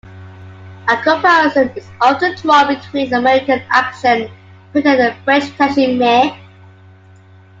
A comparison is often drawn between the American action painting and the French tachisme.